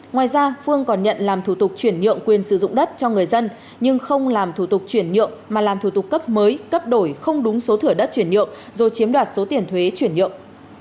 ngoài ra phương còn nhận làm thủ tục chuyển nhượng quyền sử dụng đất cho người dân nhưng không làm thủ tục chuyển nhượng mà làm thủ tục cấp mới cấp đổi không đúng số thửa đất chuyển nhượng rồi chiếm đoạt số tiền thuế chuyển nhượng